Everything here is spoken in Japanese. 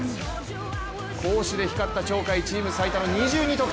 攻守で光った鳥海、チーム最多の２２得点。